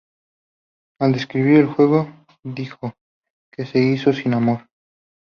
Al describir el juego, dijo que "se hizo sin amor".